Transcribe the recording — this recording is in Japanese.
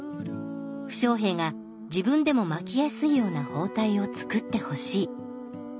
負傷兵が自分でも巻きやすいような包帯を作ってほしい。